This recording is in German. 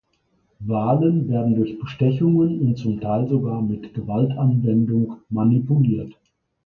Wahlen werden durch Bestechungen und zum Teil sogar mit Gewaltanwendung manipuliert.